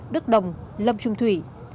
đức đồng lâm trung thủy